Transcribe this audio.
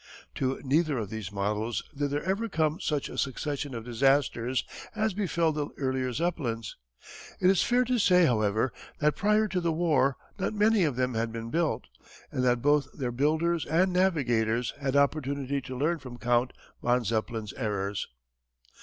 To neither of these models did there ever come such a succession of disasters as befell the earlier Zeppelins. It is fair to say however that prior to the war not many of them had been built, and that both their builders and navigators had opportunity to learn from Count von Zeppelin's errors.